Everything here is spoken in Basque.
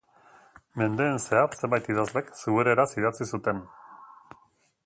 Mendeen zehar zenbait idazlek zubereraz idatzi zuten.